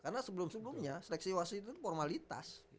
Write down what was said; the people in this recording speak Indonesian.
karena sebelum sebelumnya seleksi wasit itu formalitas